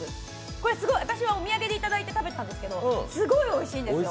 これ私はお土産でいただいて食べたんですけどすごいおいしいんですよ。